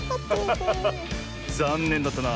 ざんねんだったな。